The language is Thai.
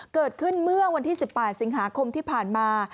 เกิดขึ้นเมื่อวันที่๑๘สิงหาคมที่ผ่านมา